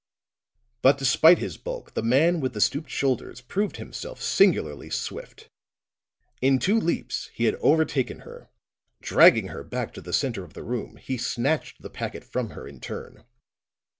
But despite his bulk, the man with the stooped shoulders proved himself singularly swift. In two leaps he had overtaken her; dragging her back to the center of the room, he snatched the packet from her in turn.